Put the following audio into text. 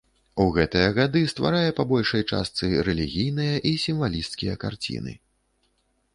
У гэтыя гады стварае па большай частцы рэлігійныя і сімвалісцкія карціны.